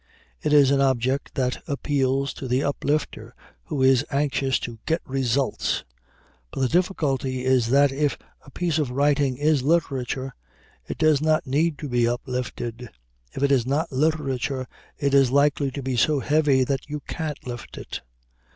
It is an object that appeals to the uplifter who is anxious to "get results." But the difficulty is that if a piece of writing is literature, it does not need to be uplifted. If it is not literature, it is likely to be so heavy that you can't lift it.